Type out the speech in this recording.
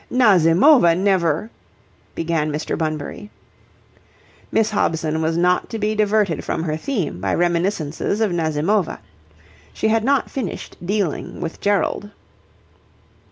"Nazimova never..." began Mr. Bunbury. Miss Hobson was not to be diverted from her theme by reminiscences of Nazimova. She had not finished dealing with Gerald.